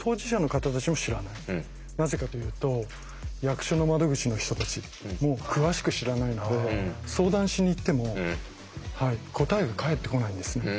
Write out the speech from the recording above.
なぜかというと役所の窓口の人たちも詳しく知らないので相談しに行っても答えが返ってこないんですね。